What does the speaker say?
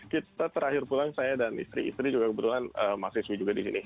kita terakhir pulang saya dan istri istri juga kebetulan mahasiswi juga di sini